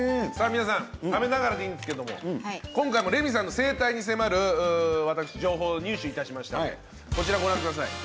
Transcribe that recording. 皆さん、食べながらでいいんですけども今回もレミさんの生態に迫る情報を入手いたしました。